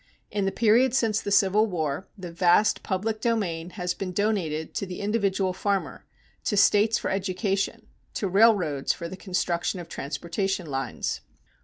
In the period since the Civil War, the vast public domain has been donated to the individual farmer, to States for education, to railroads for the construction of transportation lines.